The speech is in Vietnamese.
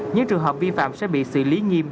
những trường hợp vi phạm sẽ bị xử lý nghiêm